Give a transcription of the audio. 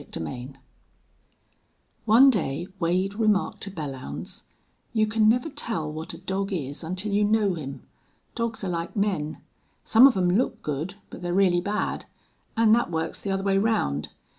CHAPTER X One day Wade remarked to Belllounds: "You can never tell what a dog is until you know him. Dogs are like men. Some of 'em look good, but they're really bad. An' that works the other way round.